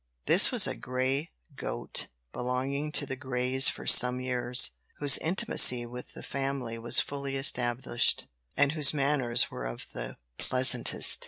This was a grey goat belonging to the Greys for some years, whose intimacy with the family was fully established, and whose manners were of the pleasantest.